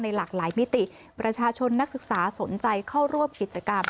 หลากหลายมิติประชาชนนักศึกษาสนใจเข้าร่วมกิจกรรม